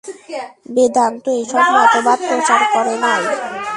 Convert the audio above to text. বেদান্ত এইসব মতবাদ প্রচার করে নাই।